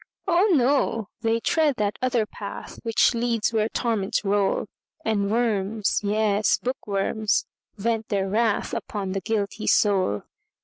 "Oh, no! they tread that other path, Which leads where torments roll, And worms, yes, bookworms, vent their wrathUpon the guilty soul.